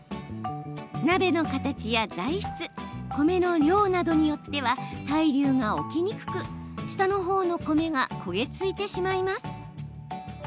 鍋の形や材質米の量などによっては対流が起きにくく下のほうの米が焦げ付いてしまいます。